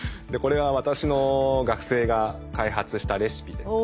これは私の学生が開発したレシピで。